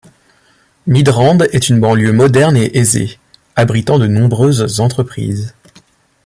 Midrand est une banlieue moderne et aisée, abritant de nombreuses entreprises.